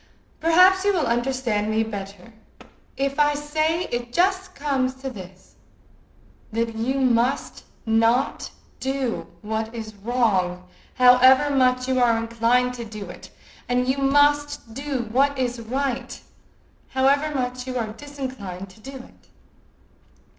"Perhaps you will understand me better if I say it just comes to this, that you must not do what is wrong, however much you are inclined to do it, and you must do what is right, however much you are disinclined to do it."